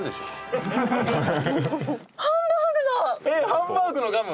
ハンバーグのガム？